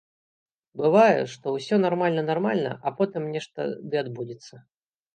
Бывае, што ўсё нармальна-нармальна, а потым нешта ды адбудзецца.